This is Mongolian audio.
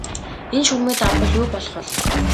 Энэ шугамыг давбал юу болох бол?